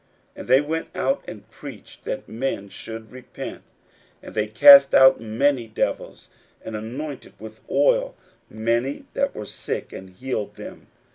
41:006:012 And they went out, and preached that men should repent. 41:006:013 And they cast out many devils, and anointed with oil many that were sick, and healed them.